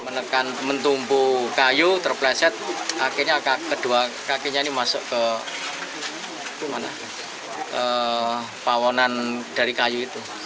menekan mentumpu kayu terpleset akhirnya kedua kakinya ini masuk ke pawanan dari kayu itu